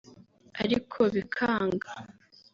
ariko bikanga